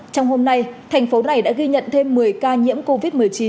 trong hôm nay thành phố này đã ghi nhận thêm một mươi ca nhiễm covid một mươi chín